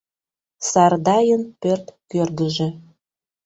Сардайын пӧрт кӧргыжӧ.